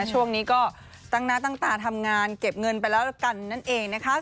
ช่วงนี้ก็ตั้งหน้าตั้งตาทำงานเก็บเงินไปแล้วกันนั่นเองนะคะ